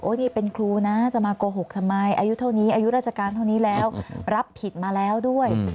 นี่เป็นครูนะจะมาโกหกทำไมอายุเท่านี้อายุราชการเท่านี้แล้วรับผิดมาแล้วด้วย